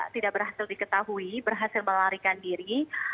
tidak berhasil diketahui berhasil melarikan diri